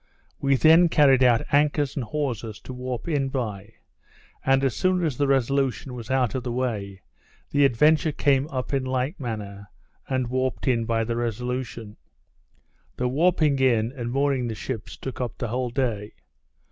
We then carried out anchors and hawsers, to warp in by; and, as soon as the Resolution was out of the way, the Adventure came up in like manner, and warped in by the Resolution. The warping in, and mooring the ships, took up the whole day.